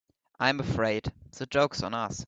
I'm afraid the joke's on us.